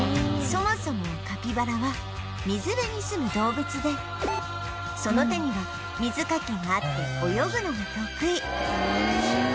そもそもカピバラは水辺にすむ動物でその手には水かきがあって泳ぐのが得意